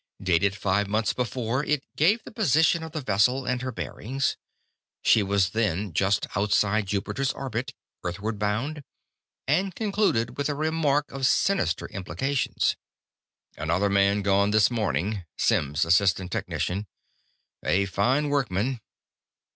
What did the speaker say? Dated five months before, it gave the position of the vessel and her bearings she was then just outside Jupiter's orbit, Earthward bound and concluded with a remark of sinister implications: "Another man gone this morning. Simms, assistant technician. A fine workman.